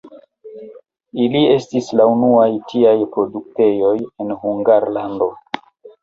Ili estis la unuaj tiaj produktejoj en Hungarlando.